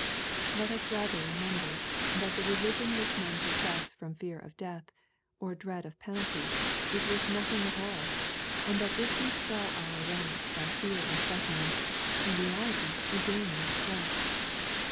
Let us rather remember, that the religion which men profess from fear of death, or dread of penalties, is worth nothing at all, and that if we swell our ranks by fear and threatening, in reality we gain no strength.